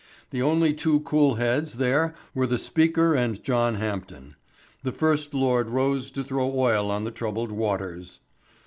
The only two cool heads there were the Speaker and John Hampden. The First Lord rose to throw oil on the troubled waters.